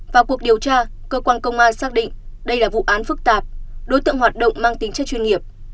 vào cuộc điều tra cơ quan công an xác định đây là vụ án phức tạp đối tượng hoạt động mang tính chất chuyên nghiệp